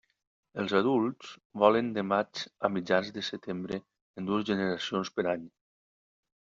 Els adults volen de maig a mitjans de setembre en dues generacions per any.